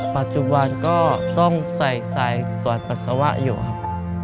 ปัจจุบันก็ต้องใส่สายสอดปัสสาวะอยู่ครับ